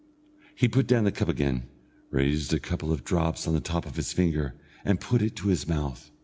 He put down the cup again, raised a couple of drops on the top of his finger, and put it to his mouth.